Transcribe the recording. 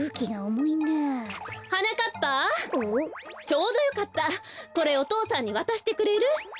ちょうどよかったこれお父さんにわたしてくれる？